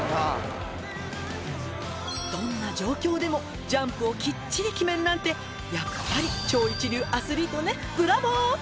どんな状況でもジャンプをきっちり決めるなんてやっぱり超一流アスリートねブラボー！